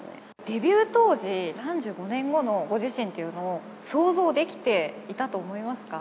デビュー当時、３５年後のご自身っていうのを想像できていたと思いますか？